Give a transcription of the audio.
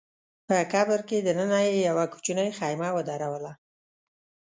په قبر کي دننه يې يوه کوچنۍ خېمه ودروله